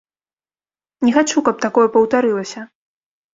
Не хачу, каб такое паўтарылася.